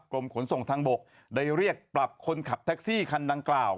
กรมขนส่งทางบกได้เรียกปรับคนขับแท็กซี่คันดังกล่าว